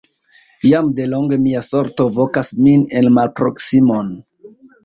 Jam de longe mia sorto vokas min en malproksimon!